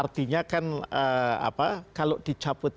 bebana yang kita bisa buat